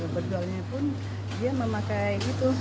berjualannya pun dia memakai itu